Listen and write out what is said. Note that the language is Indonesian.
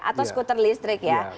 atau skuter listrik ya